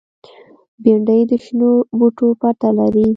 بېنډۍ د شنو بوټو پته لري